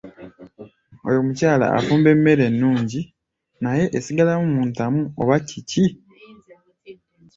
Oyo omukyala afumba emmere ennungi naye esigalamu mu ntamu oba kiki?